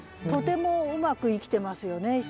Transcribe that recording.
とてもうまく生きてますよね。